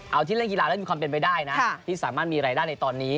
เอาที่เล่นกีฬาแล้วมีความเป็นไปได้นะที่สามารถมีรายได้ในตอนนี้